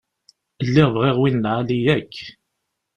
Lliɣ bɣiɣ win n lεali yakk.